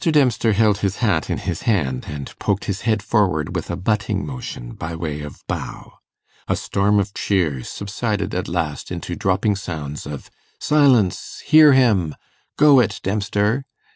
Dempster held his hat in his hand, and poked his head forward with a butting motion by way of bow. A storm of cheers subsided at last into dropping sounds of 'Silence!' 'Hear him!' 'Go it, Dempster!